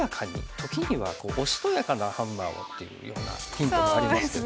「時にはおしとやかなハンマーを」っていうようなヒントもありますけど。